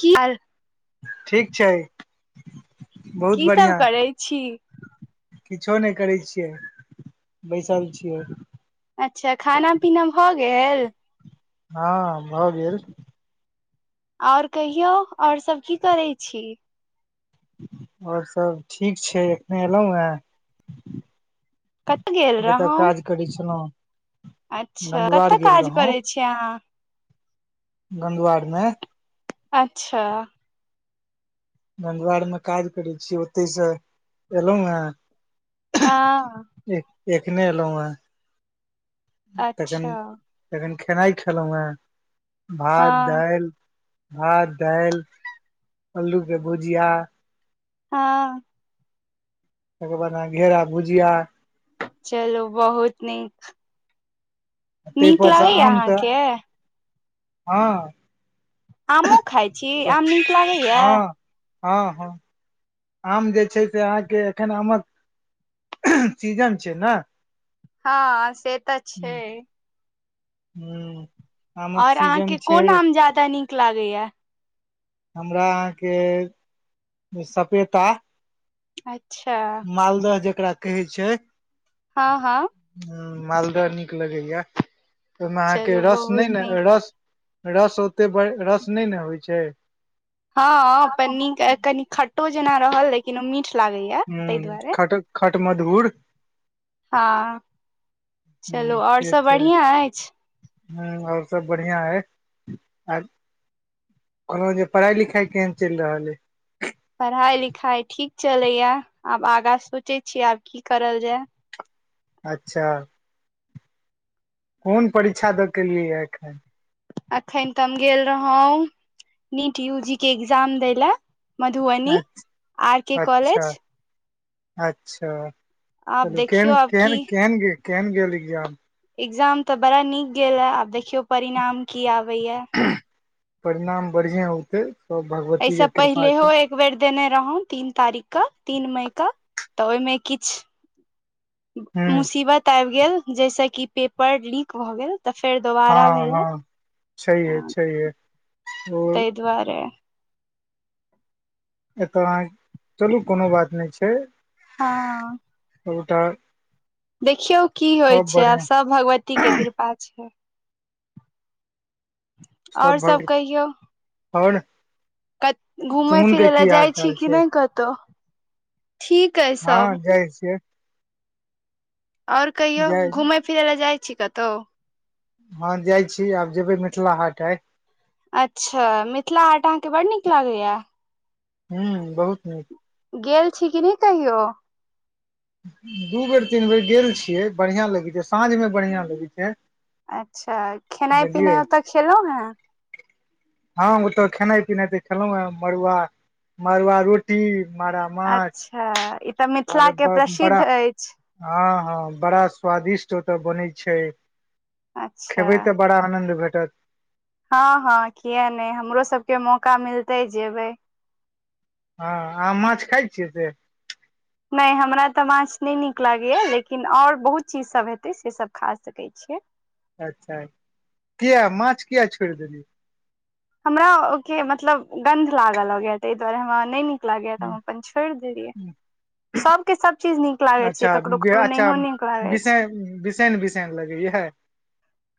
की हाल। ठीक छै। [unintelligible] बहुत कीसभ बढ़िआँ करै छी। [unintelligible] किछो नहि करै छियै बैसल छियै। [unintelligible] अच्छा खाना- पीना भऽ गेल। [unintelligible] हँ भऽ गेल। [unintelligible] आओर कहियौ आओर सभ की करैत छी। [unintelligible] [unintelligible] आओरसभ ठीक छै एखने अयलहुँ हेँ। [unintelligible] कतऽ गेल ज तऽ रहौ काज करैत छलहुँ। [unintelligible] अच्छा गंधवार कतय काज करै छियै अहाँ। [unintelligible] गंगंवारमे। [unintelligible] अच्छा। [unintelligible] नन्दवारमे काज करै छीिय ओतहिसँ एयलहुँ हेँ। [unintelligible] हँ। [unintelligible] एखने एलहुं हं। [unintelligible] तेखन अच्छा -तेखन। केनाइ खेलहु ह। [unintelligible] हँ भात -दाल। [unintelligible] भात दाल अलू के भुजिया। [unintelligible] हँ। [unintelligible] तकर बाद न घेरा भुजिया। [unintelligible] चलू बहुत नीक। [unintelligible] ताहि नीक पर से लगैएा आम तऽ अहाँके। [unintelligible] हँ। [unintelligible] आमो खाइत छी आम नीक लागैएा। हँ [unintelligible] हँ -हँ आम जे छै से अहाँके एखन आमक -सीजन छै ने। हँ से। [unintelligible] तऽ छै। [unintelligible] हू। [unintelligible] ओर अहाँके कोन आम ज्यादा नीक लागैएा। [unintelligible] हमरा अहाँके -सपेता। [unintelligible] अच्छा। [unintelligible] मालदह जे एकरा कहै छै? हँ हँ मालदह नीक लगैया। [unintelligible] ओहिमे अहाँके चलू रस नहि बहुत ने नीक रस। [unintelligible] रस ओते ब रस नहि ने होइ छै? हँ पनी कनी खटो जेना रहल लेकिन ओ मीठ लागैया ह ताहि दुआरे खट-खट मधूर हँ चलू ह आओर से सभ छै बढ़िआँ अछि। ह आओर सभ बढ़िआँ अइ। आ कहलहुँ जे पढ़ाइ लिखाइ केहन चलि रहल अइ? पढ़ाइ लिखाइ ठीक चलैए। आब आगाँ सोचै छियै आब की करल जाय। अच्छा! कोन परीक्षा दऽ केलियैए एखन? अखन तऽ हम गेल रहौ नीट यूजी के एकग्जाम दै लए। मधुबनी अच्छ आर के अच्छा कॉलेज। अच्छा आब चलू देखियौ केहन आब की केहन केहन गेल? केहन गेल एक्जाम? एग्जाम ते बड़ा निक गेल हे आब देखियो परिणाम की आब बैया। परिणाम बढ़िआँ आउतै। एहिसँ पहिलेहो एक बेेर देने रहौ तीन तारीखके तीन मईके तऽ ओहिमे किछु हूं मुसीबत आबि गेल। जैस की पेपर लीक भए गेल। तऽ फेर दोबारा हँ भेलै हँ छैहे छैहे ओ ताहि दुआरे एकर मगा अहाँ चलू कोनो बात नहि छै। हँ सबटा देखियौ की होइ सब छै आब बढ़िया सब भगवती के कृपा छै। सब आओर सभ भग कहियौ? और कत घुमय चुमुन के फिरय ले की हाल जाइ छी चाल कि छै नहि कतहु? ठीक अछि सब। हँ जाइ छियै और कहियौ जाइ घुमय फिरै ले जाइ छी? देतौ। हँ जाइ छी आब जेबै मिथिला हाट आइ। अच्छा मिथिला हाट अहाँकेँ बड्ड नीक लागैया? ह्म बहुत निक। गेल छी कि नहि कहियो? दु बेर तीन बेर गेल छियै, बढ़िया लगै छै, सांझमे बढ़िया लगै छै। अच्छा, खेनाइ पिनाइ ओत' खेलहुं ने? हां, ओत खेनाइ पिनाइ त खेलहुंहें, मड़ुआ, मड़ुआ रोटी मारा माछ त मिथिला आओर के प्रसिद्ध अछि। हां बड़ा स्वादिष्ट ओतय बनै छै। खेबै त बड़ा आनन्द भेट त हां हां किए नै हमरो सभके मौका मिलतै जेबै हां, अहां माछ खाइ छियै से? नै हमरा त माछ नहि नीक लागैए लेकिन और बहुत चीज सभ हेतै से सभ खा सकैत छियै। अच्छा, किये, माछ किये छोड़ि देलियै? हमरा ओके मतलब गन्ध लागय लगैये ताहि दुआरे हमरा नहि नीक लागैये त हम हूँ अपन छोड़ि देलियै। सबके सब चीज नीक लागै छै, अच्छा ककरो ककरो अच्छा नहियो नीक लागै छै बिसैन बिसैन बिसैन लगैया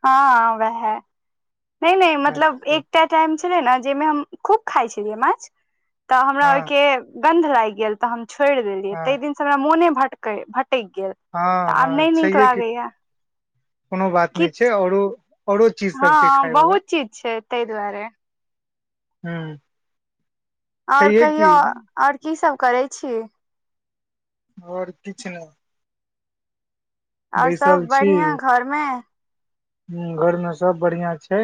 हां, वैहे, नै नै अच्छा मतलब एकटा टाइम छैले ने जाहिमे हम खुब खाइ छलियै माछ। त हमरा हँ ओहिके गंध लागि गेल त हम छोड़ि देलियै हँ तै दिनसे हमरा मोने भटकै भट टेक गेल, हँ त आब हँ नै नीक छैहे कि लगैये। कोनो बात नै छै औरो औरो चीज सब छै खाय हां, बहुत चीज छै तै दुआरे। हुं। और कहियौ, और कि सब करै छी। और किछु नै। और सब छी बढ़िया घरमे? ह घरमे सब बढ़िआं छै।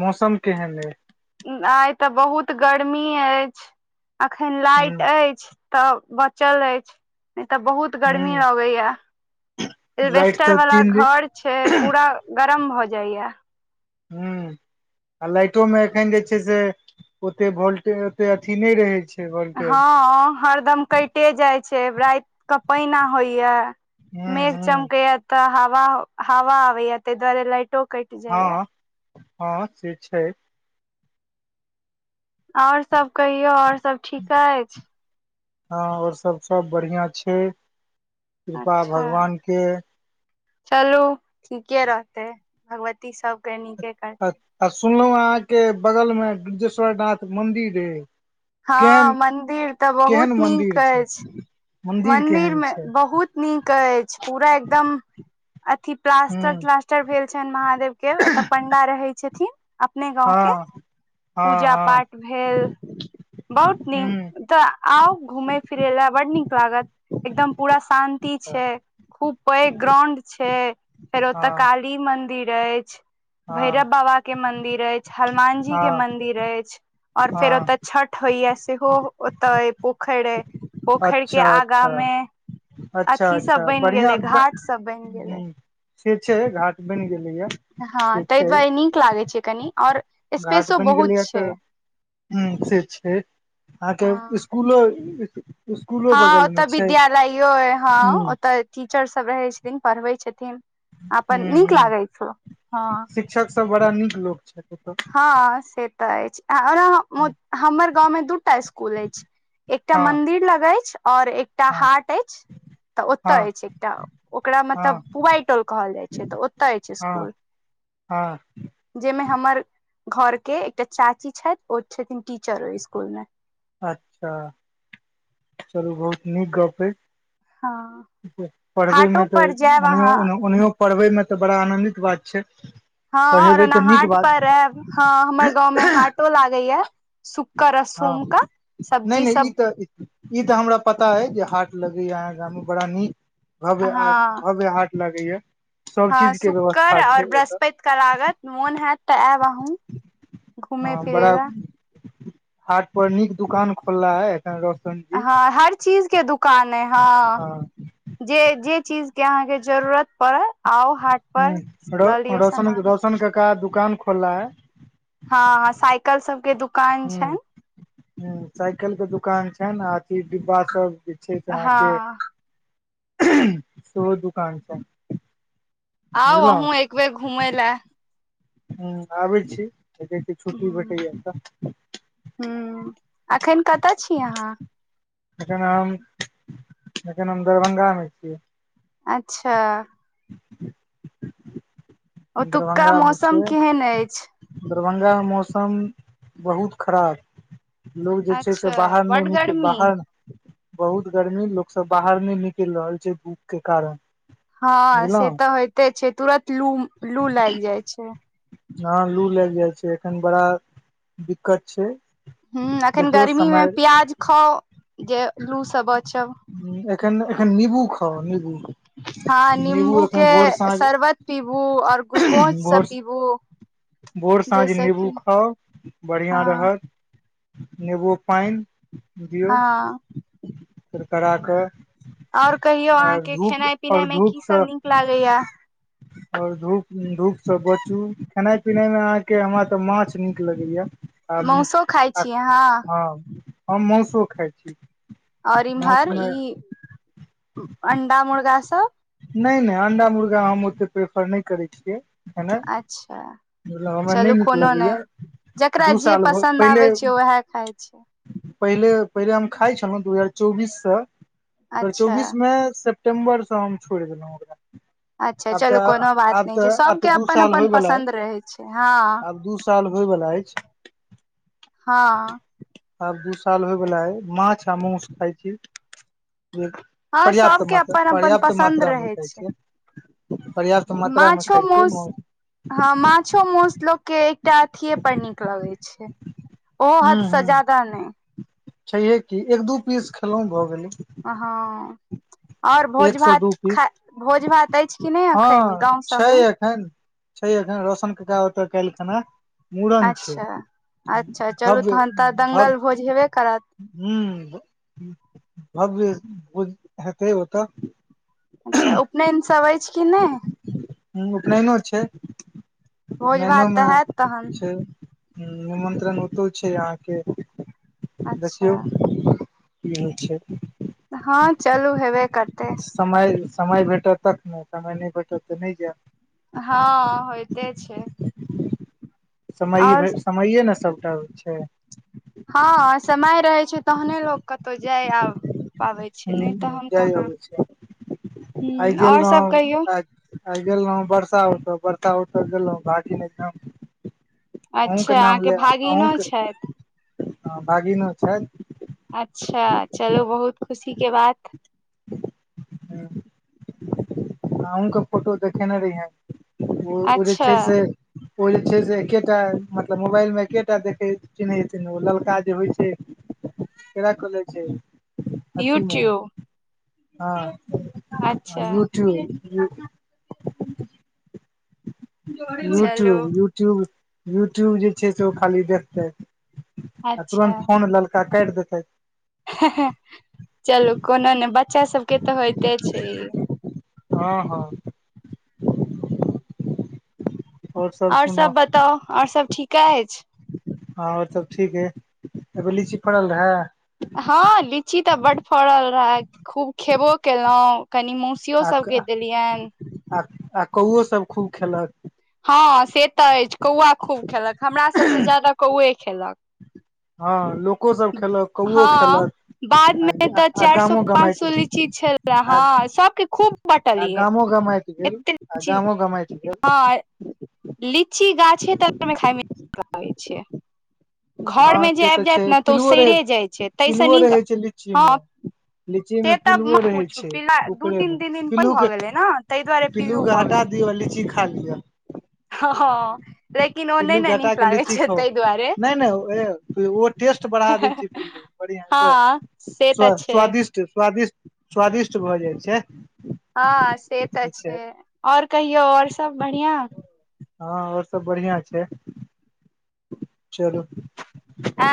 मौसम केहन एय? आइ तऽ बहुत गर्मी अछि। अखन ह लाइट अछि? काम बचल अछि। इ त बहुत गर्मी ह अबैये। लाइट एस्वेस्टस तऽ वला तीन दिन घर छै, पुरा ग कम भ जैये। ह आ लाइटोमे एखन जे छै से ओतेक वोल्टे ओतेक अथी नहि रहैत छै। वोल्टेज हँ हरदम कटे जाइ छै राति क पैना होइया। ह मेघ ह चमकैया त हाव ह हावा आबै ते दुआरे लाइट टो कट जाय या। हँ हँ से छै। आओर सब? कहियौ आओर सब ठीक अछि? हँ आओर सभ सभ बढ़िआँ छै। कृपा अच्छा भगवानके। चलू ठीके रहतै भगवती सब आ सुनलहुँ अहाँके बगलमे ग्रिजेश्वरनाथ मन्दिर एय? हँ मन्दिर तऽ बहुत नीक मंदिर छै अछि। मंदिर मन्दिर केहन मे छै बहुत नीक अछि। पूरा एकदम अथि ह प्लास्टर प्लास्टर भेल छन्हि महादेव के ओते पंडा रहे छै। छथिन। अपने गाँव के। हँ पूजा हँ पाठ भेल। बहुत नीक हँ ओतऽ आउ घूमेय फिरे लए बड नीक लागत एकदम पूरा शान्ति ह छै खूब पैघ ग्राउंड छै फेर ओतय हँ काली मन मन्दिर अछि। भैरव हँ बाबा के मंन्दिर अछि। हनुमान जी के हँ मंन्दिर अछि और फेर हँ ओतऽ छठ होइऐ सेहो ओतऽ एय पोखर एय। पोखरि के अच्छा आगाँ अच्छा मे अच्छा अथी सब अच्छा बैन बढ़िआँ गेलै, घाट सब बैन गेलै। ह से छै घाट बैन गेले। हाँ तै दुआरे नीक लागै छै। कनी और घाट स्पेसो बनि बहुत गेलैए छै तऽ ह से छै अहाँके हँ स्कुलो ह हँ ओतऽ विद्यालयो हँ ह ओतऽ टीचर सब रहे छथिन पढ़बै छथिन। ह अपन नीक लागै छै, हाँ। त बड़ा नीक लोक छै। हाँ से तऽ एछ। आ ओनाह मु हमर गांव में दूटा स्कूल एछ, एकटा हँ मंदिर लग एछ और एकटा हँ हाट एछ तऽ ओते हँ एछ एकटा, ओकरा मतलब हँ पुवाय टोल कहल जाय छै तऽ ओता एछ हँ स्कूल, हँ जे मे हमर घर के एकटा चाची छैथ ओ छथिन टीचर ओय स्कूल मे। अच्छा, चलु बहुत नीक गप ए। हँ पढ़बै मे हाटो तऽ पर जायब ओन्हियो अहाँ उन्हुँ उन्हियो पढ़बै मे तऽ बड़ा आनंदित बात छै। हाँ और पढ़ेबै ओना तऽ नीक हाट बात पर आएब, हाँ हमर गांव में हाटो लागे या। सु कर अ हँ सोम कै नहि सब्जी नहि ई सब तऽ ई ते हमरा पता ए जे हाट लगेया अहाँ गाँव में बड़ा नीक भब आ भव्य हा लगै या। हाँ शुकर और ब्रहस्पेत के लागत, मोन हाएत ते आएब अहूँ हँ घूमे-फिरे बड़ा लए। हाट पर नीक दुकान खोलला ए हाँ हर चीज के दु कान ए, हाँ हँ जे जे चीज के अहाँ के जरूरत पड़ल ह्म्म रौ रौशन सामान रौशन के का दु कान खोलला हय। हाँ हाँ सायकल सबके दु कान छैन। ह्म्म सायकल के दुकान छैन आ अथी डिब्बा सब के छै से अहाँ के हँ सोहो दुकान छैन। आउ अहूँ एक बेर घुमै लए। ह आबै छी। देखै छी ह छुट्टी भेटैया तऽ ह एखन कतय छीयै अहाँ? एखन हम एखन हम दरभंगामे छीयै। अच्छा। ह ओतुका मे मौसम छियै केहेन एछ। दरभंगा मौसम बहुत खराब लोक जे छै से अच्छा बाहर नहि बड निकल गर्मी बाहर बहुत गर्मी लोक सब बाहर नहि निकल रहल छै धूप के कारण। हँ से बुझलहुँ तऽ होयते छै तुरत लू लू लागि जाइ छै। हँ लू लागि जाइ छै एखन बड़ा दिक्कत छै। ह एखन देखियौ गर्मीमे प्याज खाउ जे लूसँ बचब। समय एखन एखन निबू खाउ निबू हँ नीम्बू के शरबत पीबू और ग्लूकोज सब भोर पीबू। भोर साँझ जैसे नीबू कि खाउ बढ़िआँ हँ रहत। नेवो-पाइन हँ करकरा कऽ आओर कहियौ आ अहाँके धूप खेनाइ पिनाइ आओर मे धूप से कीसभ नीक लागैया? और धूप धूप स बचु। खेनाइ पिनाइ मे अहाँके हमरा तऽ माछ नीक लगैया। आ मौसो खाय आ छी अहाँ? हँ हम मौसो खाइ छी। ओर मौस इम्हर मे ई अंडा मुर्गा सब? फर नहि करै छियै। खेनाइ अच्छा मतलब हमरा नहि चलू नीक कोनो लगैया नहि जकरा दू जे साल भ पसन्द आबै पहिले छै उएह खाइ छै। पहिले पहिले हम खाइ छलहुँ दू हजार चौबीससँ दू हजार अच्छा चौबीस मे सेप सेपटम्बर स हम छोड़ि देलहुँ ओकरा। अच्छा आब चलू तऽ कोनो बात आब नहि तऽ छै आब तऽ सबके दू अपन- साल अपन होयवला अइ पसन्द रहै। छै हँ आब दू साल होय ब। [unintelligible] बला अछिज। [unintelligible] हँ। [unintelligible] आब दू साल होयवला एय माछ आ मौस खाय छी। जे हँ पर्याप्त सबके मात्रा अपन अपन पर्याप्त पसन्द मात्रामे रहै खाइ छै छियै पर्याप्त मात्रामे खाइ छियै मौस। माछो-मौस लोक के एकटा अथिये पर नीक लगै छै। ओ हद हूं सजाद नहि। [unintelligible] छैहे की एक दू पीस खेलहुँ भऽ गेली। [unintelligible] हँ [unintelligible] एक सए दू भात पीस खा भोज भात [unintelligible] अछि कि नहि एखन हँ गाँव छै सभमे एखन छै एखन रौशनकेा ओतय काल्हिखना मूड़न छै अच्छा अच्छा चलू -भव्य तहन तऽ भव दंगल भोज हेबे करत हं। भव्य हेतै ओ। [unintelligible] तऽ। [unintelligible] अच्छा उपनयनसवइ छै किी नहि। [unintelligible] ह उपनयनो छै। [unintelligible] भोज भात तऽ हयत तहन। [unintelligible] ह निमंत्रण ओतौ छै अहाँके। [unintelligible] अच्छा देखियौ। [unintelligible] अच्छा। [unintelligible] हँ चलू हेबे। [unintelligible] समय। [unintelligible] समय भेटत तख नहि समय नहि भेटत तऽ नहि जाय। [unintelligible] हँ होयइते छै [unintelligible] समय आओर भे समये ने सबटा होइ [unintelligible] छै हँ समय रहै छै तहने लोक। तो जाय आ पाबै छी नहि तऽ ह हम जाय कहाँ [unintelligible] अबै छै ह आओर सब कहियौ। आ गेलहु बरसा उठो बरसा उठो गेलहु भम। [unintelligible] [unintelligible] अच्छा अहाँके भागनो छथि। हं भाघिनों छैथ। [unintelligible] अच्छा चलो बहुत खुशी के बात। [unintelligible] [unintelligible] ह अहँके फोटो देखेने रहियै। [unintelligible] ओ- ओ जे अच्छा छै से। [unintelligible] ओ जे छै से एकेटा मतलब मोबाइलमे एकेटा देखैत चिन्हैतथिन ओ ललका जे होइ छै ओरा कऽ लै छै। [unintelligible] अथी मे यूट्यूब। [unintelligible] हँ। [unintelligible] अच्छा यूट्यूब। [unintelligible] हँ। [unintelligible] [unintelligible] चलू यूट्यूब- यूट्यूब। यूट्यूब जे छै से ओ खाली देखतै। आ अच्छा तुरन्त फोन ललका फेँटि देतै। चलू, कोना नै ब- बच्चा सबके तऽ होयइते छै। [unintelligible] हँ -हँ। [unintelligible] आओर सब सुना आओरसब बताउ, आओरसब ठीक -क अइछ? हँ औरसभ ठीक अइ। कि बेर लीची फड़ल रहए? हँ, लीची तऽ बड्ड फड़ल रहए, खूब खेबो केलहुँं। कनि मौसियो सभकेँ देलियनि। आ आ कौओसभ खूब खेलक। हँ, से तऽ अछि। कौआ खूब खेलक। हमरा सबसँ ज्यादा कौए खेलक। हँ, लोकोसभ खेलक, कौओ हँ खेलक आ बादमे ग तऽ आ चारि सौ गामो पाँच गमाइत सौ लीची छले आ हँ सबके खूब आ बँटलियै गामो गमाइत गेल एते आ लीची गामो गमाइत गेल। हँ लीची गाछे तरमे गाममे नीक लगैत छै। हँ घरमे जे से आबि जाएत छै ने, तऽ ओ पिलुओ रहै सैरे जाइ छै। ताहिसँ पिलुओ नीक, रहै छै लीची मे हँ लीची से में पिलुओ मत रहे पूछू। छै पिला ऊपरे में दू-तीन ती दिन [unintelligible] पिल्लू के भऽ गेलै ने, ताहि दुआरे पिल्लू के भऽ हटा गेलै। दियौ लीची खा लिअ हँ, लेकिन ओ पिल्लू नहि ने नीक लागै छै ताहि दुआरे। वैह, ओ टेस्ट बढ़ा दै छै पिल्लू बढ़िआंसँ। हँ से तऽ स्वा छै स्वादिष्ट स्वादिष्ट स्वादिष्ट भऽ जाइ छै। हँ, से तऽ छै। आओर कहियौ, आओरसब बढ़िआँ? हँ, औरसब बढ़िआँ छै। चलू आ-